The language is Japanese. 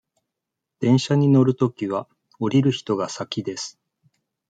電車に乗るときは、降りる人が先です。